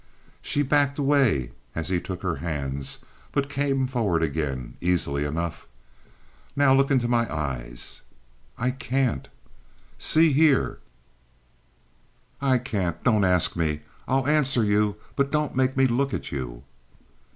She backed away as he took her hands, but came forward again, easily enough. "Now look in my eyes." "I can't." "See here." "I can't. Don't ask me. I'll answer you, but don't make me look at you."